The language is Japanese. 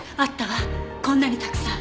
こんなにたくさん。